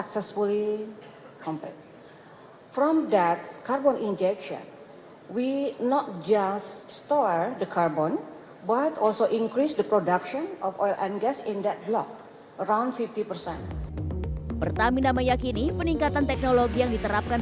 pertamina menjelaskan upayanya mencapai energi nasional menjadi prioritas